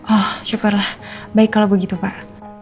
oh syukurlah baik kalau begitu pak